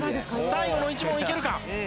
最後の１問いけるか？